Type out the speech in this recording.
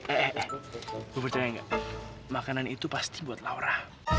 eh eh eh gue percaya gak makanan itu pasti buat laura